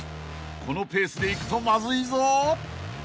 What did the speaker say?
［このペースでいくとまずいぞ］